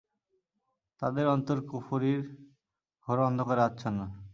তাদের অন্তর কুফুরির ঘোর অন্ধকারে আচ্ছন্ন।